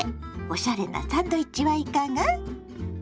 おしゃれなサンドイッチはいかが？